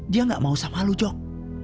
dia gak mau sama lo jok